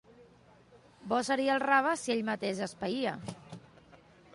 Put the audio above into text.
Bo seria el rave si ell mateix es païa.